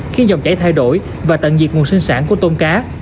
khiến dòng chảy thay đổi và tận diệt nguồn sinh sản của tôm cá